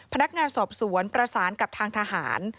พนักงานสอบสวนประสานกับทางทหาร